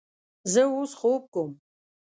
زه اوس خوب کوم